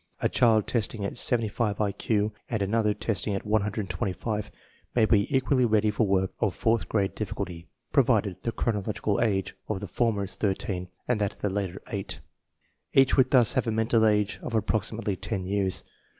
A child testing at 75 I Q and another testing at 125 may be equally ready for work of fourth grade difficulty, provided the chronological age of the former 1 is thirteen and that of the latter eight. Each would thus have a mental age of approximately ten years.